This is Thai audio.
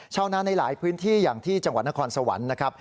ชาวนาในหลายพื้นที่อย่างที่จังหวัดนครสวรรค์นะครับ